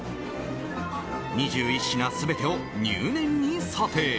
２１品全てを入念に査定。